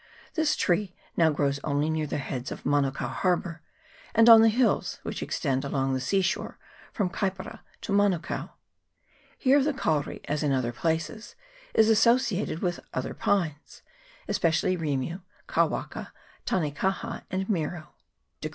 This tree grows now only near the heads of Manukao Har bour, and on the hills which extend along the sea shore from Kaipara to Manukao. Here the kauri, as in other places, is associated with other pines, especially rimu, kawaka, tanekaha, and miro (Da 294 MANUKAO HARBOUR. [PART II.